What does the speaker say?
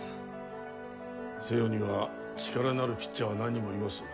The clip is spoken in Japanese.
星葉には力のあるピッチャーは何人もいます